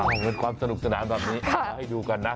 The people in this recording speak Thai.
เป็นความสนุกสนานแบบนี้เอามาให้ดูกันนะ